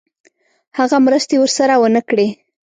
هغه مرستې ورسره ونه کړې.